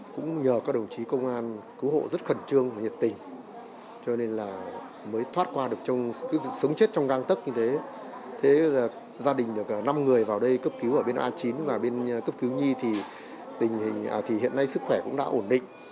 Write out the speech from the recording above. qua được sống chết trong găng tấc như thế gia đình được năm người vào đây cấp cứu ở bên a chín và bên cấp cứu nhi thì hiện nay sức khỏe cũng đã ổn định